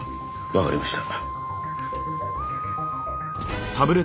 わかりました。